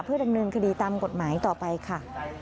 ดำเนินคดีตามกฎหมายต่อไปค่ะ